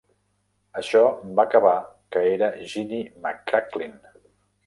Això va acabar que era Jimmy McCracklin.